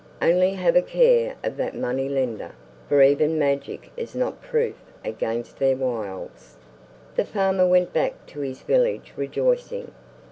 Only have a care of that money lender, for even magic is not proof against their wiles!" The farmer went back to his village rejoicing.